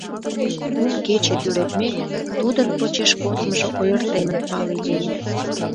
Кум кече тӱредмек, тудын почеш кодмыжо ойыртемын пале лие.